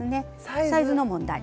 サイズの問題。